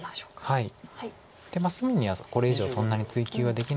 はい。